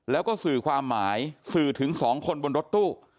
แล้วก็สื่อความหมายสื่อถึง๒คนบนรถตู้